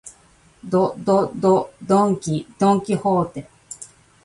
ど、ど、ど、ドンキ、ドンキホーテ